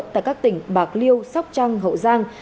tại các tỉnh bạc liêu sóc trăng hậu giang